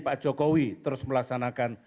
pak jokowi terus melaksanakan